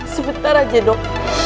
sebentar aja dok